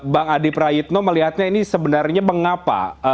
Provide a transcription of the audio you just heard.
bang adi prayitno melihatnya ini sebenarnya mengapa